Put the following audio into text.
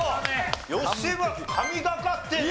吉村神がかってるな。